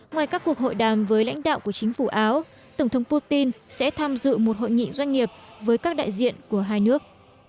ngoài các cuộc hội đàm với lãnh đạo của chính phủ áo tổng thống putin sẽ tham dự một hội nghị doanh nghiệp với các đại diện của hai nước